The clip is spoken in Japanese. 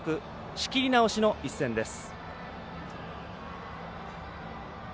仕切り直しの一戦です。